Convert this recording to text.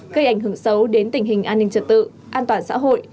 gây ảnh hưởng xấu đến tình hình an ninh trật tự an toàn xã hội